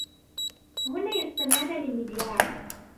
هن يستمعن للمذياع.